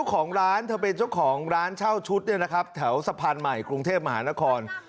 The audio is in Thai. ได้รึเปล่าเขาเป็นเจ้าของร้านเช่าชุดแถวสะพานใหม่กรุงเทพมหานคร